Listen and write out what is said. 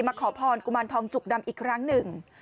ขอพรกุมารทองจุกดำอีกครั้งหนึ่ง